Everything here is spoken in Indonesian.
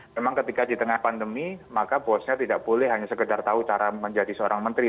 memang ketika di tengah pandemi maka bosnya tidak boleh hanya sekedar tahu cara menjadi seorang menteri